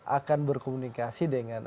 akan berkomunikasi dengan